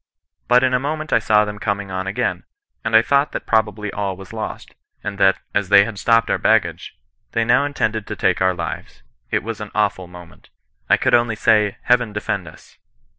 But in a moment I saw them coming on again, and I thought that probably all was lost, ana that, as they had stopped our baggage, they now intended to take our lives. It was an awful moment. I could only say, * Heaven defend us.'